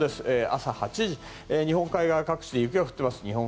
朝８時、日本海側各地で雪が降っています。